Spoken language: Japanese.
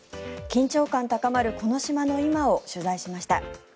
緊張感高まるこの島の今を取材しました。